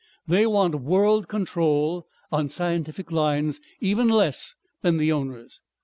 They want a world control on scientific lines even less than the owners.